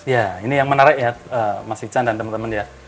ya ini yang menarik ya mas iksan dan teman teman ya